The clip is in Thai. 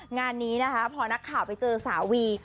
งานนี้นะคะพอนักข่าวไปเจอสาววี